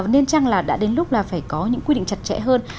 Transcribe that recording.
nên chăng là đã đến lúc là phải có những quy định chặt chẽ hơn